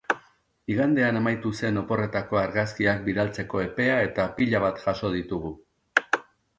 Igandean amaitu zen oporretako argazkiak bidaltzeko epea eta pila bat jaso ditugu!